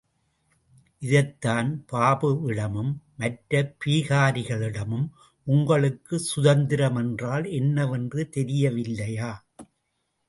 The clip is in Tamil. இதைத்தான் பாபுவிடமும், மற்ற பீகாரிகளிடமும், உங்களுக்குச் சுதந்திரம் என்றால் என்னவென்று தெரியவில்லையா?